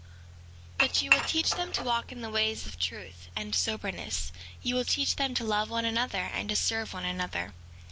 4:15 But ye will teach them to walk in the ways of truth and soberness; ye will teach them to love one another, and to serve one another.